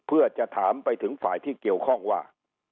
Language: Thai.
เพื่อจะถามไปถึงฝ่ายที่เกี่ยวข้องว่า